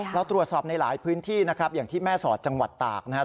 เราตรวจสอบในหลายพื้นที่นะครับอย่างที่แม่สอดจังหวัดตากนะครับ